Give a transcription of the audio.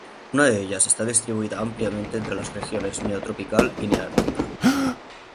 Una de ellas está distribuida ampliamente entre las regiones neotropical y neártica.